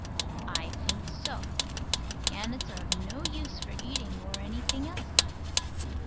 I think so. Gannets are of no use, for eating, or anything else.